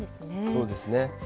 そうですね。